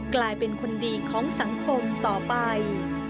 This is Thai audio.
กลายเป็นคนดีของสังคมต่อไป